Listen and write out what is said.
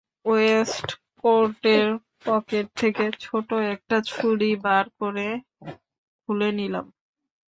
West কোটের pocket থেকে ছোট একটা ছুরি বার করে খুলে নিলাম।